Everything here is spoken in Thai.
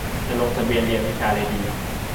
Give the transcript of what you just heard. จะลงทะเบียนเรียนวิชาอะไรดี